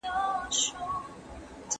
تخصص ترلاسه کړئ.